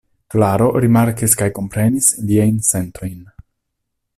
Klaro rimarkis kaj komprenis liajn sentojn.